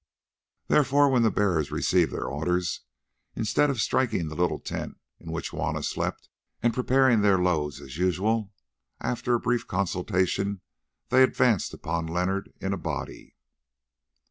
Therefore when the bearers received their orders, instead of striking the little tent in which Juanna slept, and preparing their loads as usual, after a brief consultation they advanced upon Leonard in a body.